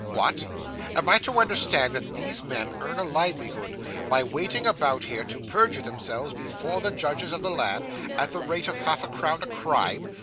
'What! Am I to understand that these men earn a livelihood by waiting about here, to perjure themselves before the judges of the land, at the rate of half a crown a crime?